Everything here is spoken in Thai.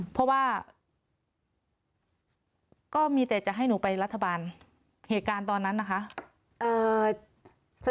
เพราะว่าก็มีแต่จะให้หนูไปรัฐบาลเหตุการณ์ตอนนั้นนะคะ